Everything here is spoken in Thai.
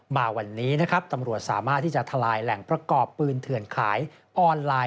มาวันนี้นะครับตำรวจสามารถที่จะทลายแหล่งประกอบปืนเถื่อนขายออนไลน์